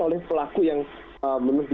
oleh pelaku yang menutupi